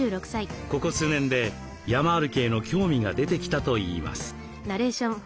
ここ数年で山歩きへの興味が出てきたといいます。